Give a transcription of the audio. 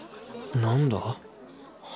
なんだ？